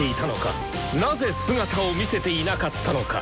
なぜ姿を見せていなかったのか？